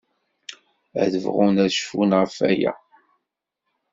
Ad bɣun ad cfun ɣef waya.